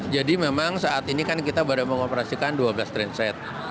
jadi memang saat ini kan kita baru mengoperasikan dua belas transit